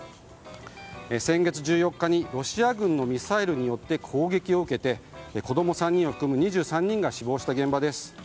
先月１４日にロシア軍のミサイルによって攻撃を受けて子供３人を含む２３人が死亡した現場です。